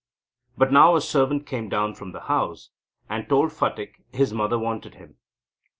But now a servant came down from the house, and told Phatik his mother wanted him.